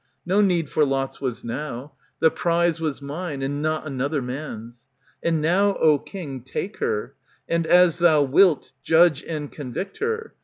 No need for lots was now ; The prize was mine, and not another man^s. And now, O king, take her, and as thou wilt, Judge and convict her.